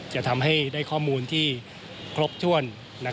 จะทำให้ได้ข้อมูลที่ครบถ้วน